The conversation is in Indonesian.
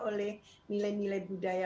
oleh nilai nilai budaya